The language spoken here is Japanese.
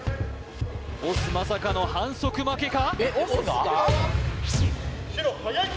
押忍まさかの反則負けか？